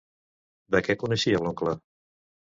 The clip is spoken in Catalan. De què coneixia l'oncle?